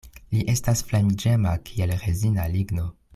Li estas flamiĝema kiel rezina ligno.